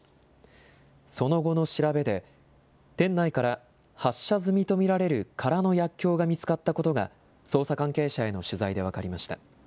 その後の調べで、店内から、発射済みと見られる空の薬きょうが見つかったことが、捜査関係者への取材で分かりました。